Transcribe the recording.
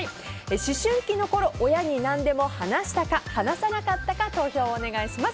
思春期のころ、親に何でも話したか話さなかったか投票をお願いします。